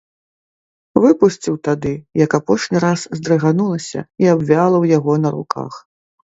Выпусціў тады, як апошні раз здрыганулася і абвяла ў яго на руках.